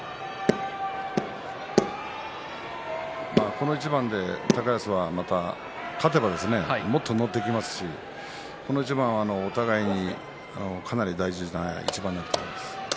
この一番で高安がまた勝てばもっと乗っていけますしこの一番はお互いにかなり大事な一番になると思います。